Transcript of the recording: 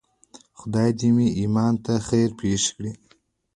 خدای دې مې ایمان ته خیر پېښ کړي.